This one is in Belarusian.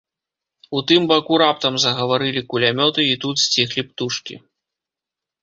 У тым баку раптам загаварылі кулямёты, і тут сціхлі птушкі.